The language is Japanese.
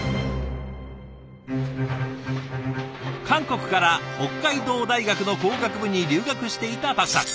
韓国から北海道大学の工学部に留学していたパクさん。